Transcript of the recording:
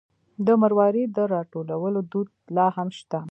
د مروارید د راټولولو دود لا هم شته.